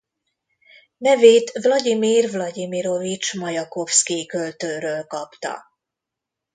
Nevét Vlagyimir Vlagyimirovics Majakovszkij költőről kapta.